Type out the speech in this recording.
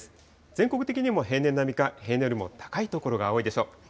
全国的にも平年並みか、平年よりも高い所が多いでしょう。